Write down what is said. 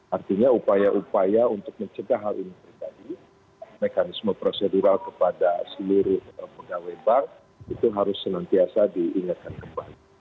artinya upaya upaya untuk mencegah hal ini terjadi mekanisme prosedural kepada seluruh pegawai bank itu harus senantiasa diingatkan kembali